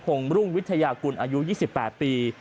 งรุ่งวิทยากุลอายุ๒๘ปี